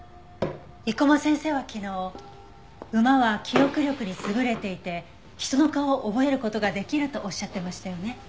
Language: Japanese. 生駒先生は昨日馬は記憶力に優れていて人の顔を覚える事ができるとおっしゃってましたよね。